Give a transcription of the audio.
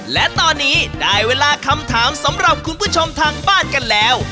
และตอนนี้ได้เวลาคำถามสำหรับคุณผู้ชมทางบ้านกันแล้ว